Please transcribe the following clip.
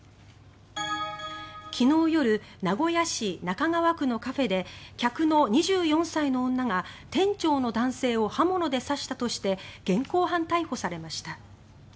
昨日夜名古屋市中川区のカフェで客の２４歳の女が店長の男性を刃物で刺したとして現行犯逮捕されました。